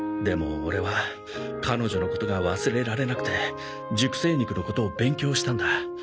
でもオレは彼女のことが忘れられなくて熟成肉のことを勉強したんだ。